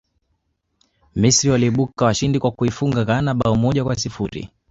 misri waliibuka washindi kwa kuifunga ghana bao moja kwa sifuri